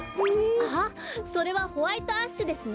ああそれはホワイトアッシュですね。